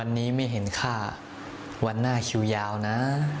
อันนี้ไม่เห็นค่าวันหน้าคิวยาวนะ